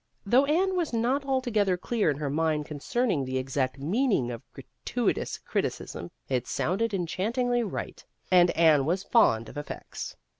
Though Anne was not altogether clear in her mind concerning the exact meaning of "gratuitous criticism," it sounded enchantingly right ; and Anne was fond of effects.